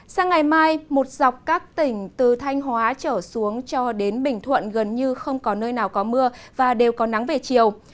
sang ngày mai một dọc các tỉnh từ thanh hóa trở xuống cho đến bình thuận gần như không có nơi nào có mưa và đều có nắng về chiều